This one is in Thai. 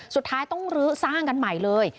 สุดท้ายต้องลื้อสร้างกันใหม่เลย